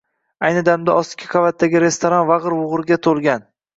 Ayni damda ostki qavatdagi restoran vagʻir-vugʻurga toʻlgan